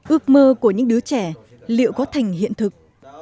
ước mơ của những đứa trẻ liệu có thành hiện thực